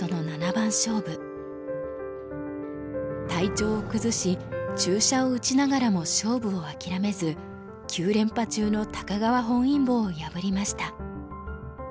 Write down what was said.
体調を崩し注射を打ちながらも勝負をあきらめず９連覇中の高川本因坊を破りました。